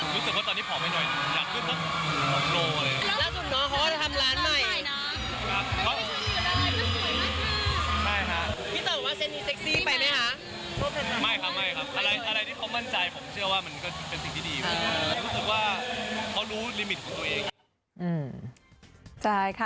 รู้สึกว่าเค้ารู้ลิมิตของตัวเอง